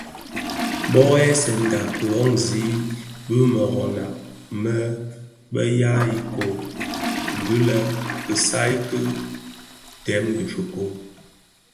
Bōō ghèsènga ki dhōňzi bi meroňa më bë ya iköö gilèn i isal ki dèm dhi fikoň.